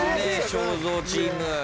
正蔵チーム。